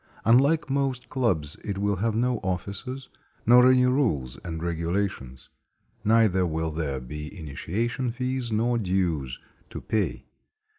Unlike most clubs, it will have no officers, nor any rules and regulations; neither will there be initiation fees nor dues to pay.